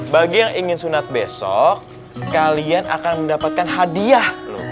bagi yang ingin sunat besok kalian akan mendapatkan hadiah loh